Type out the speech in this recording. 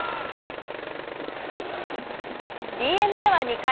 ＤｅＮＡは２回。